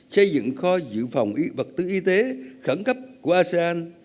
xây dựng kho dự phòng vật tư y tế khẳng cấp của asean